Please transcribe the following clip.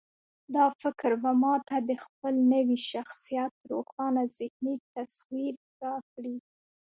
دا فکر به ما ته د خپل نوي شخصيت روښانه ذهني تصوير راکړي.